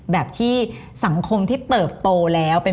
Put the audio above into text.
แบบที่สังคมที่เติบโตแล้ว